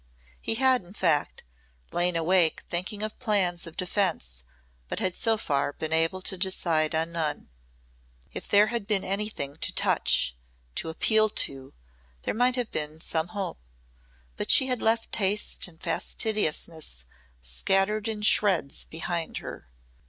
He had in fact lain awake thinking of plans of defence but had so far been able to decide on none. If there had been anything to touch, to appeal to, there might have been some hope, but she had left taste and fastidiousness scattered in shreds behind her.